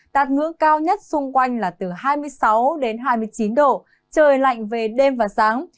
đạt ngưỡng cao nhất xung quanh là từ hai mươi sáu đến hai mươi chín độ trời lạnh về đêm và sáng